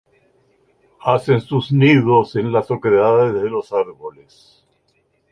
Hacen sus nidos en las oquedades de los árboles.